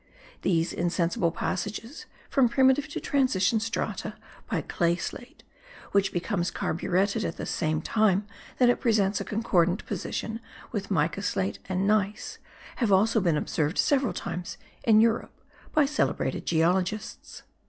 These insensible passages from primitive to transition strata by clay slate, which becomes carburetted at the same time that it presents a concordant position with mica slate and gneiss, have also been observed several times in Europe by celebrated geologists.